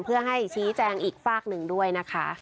เพื่อให้ชี้แจงอีกฝากหนึ่งด้วยนะคะ